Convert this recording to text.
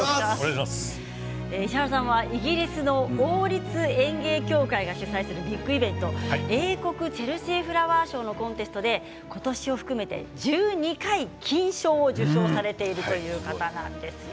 石原さんはイギリスの王立園芸協会が主催するビッグイベント英国チェルシーフラワーショーのコンテストで今年を含めて１２回、金賞を受賞されているという方なんですよね。